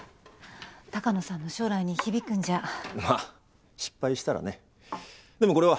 鷹野さんの将来に響くんじまあ失敗したらね。